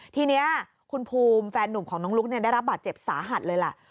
ทีนี้คุณภูมิแฟนหนุ่มของน้องลุ๊กได้รับบาดเจ็บสาหัสเลยล่ะ